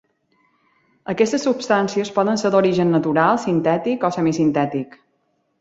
Aquestes substàncies poden ser d'origen natural, sintètic o semisintètic.